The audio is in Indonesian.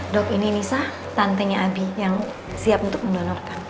dok ini nisa tantenya abi yang siap untuk mendonorkan